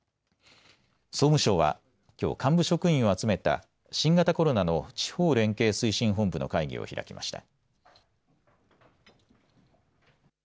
総務省はきょう、幹部職員を集めた新型コロナの地方連携推進本部の会議を開きました。